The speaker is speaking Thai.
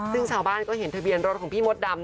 ซึ่งชาวบ้านก็เห็นทะเบียนรถของพี่มดดำ